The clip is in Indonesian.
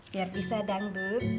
biar bisa dangdutan